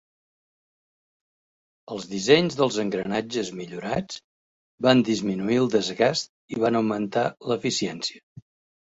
Els dissenys dels engranatges millorats van disminuir el desgast i van augmentar l'eficiència.